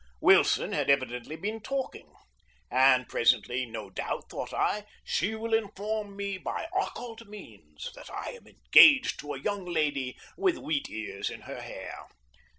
Wilson had evidently been talking. And presently, no doubt, thought I, she will inform me by occult means that I am engaged to a young lady with wheat ears in her hair.